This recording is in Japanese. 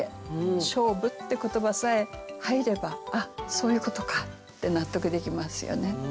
「勝負」って言葉さえ入れば「あっそういうことか」って納得できますよね。